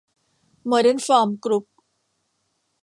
โมเดอร์นฟอร์มกรุ๊ป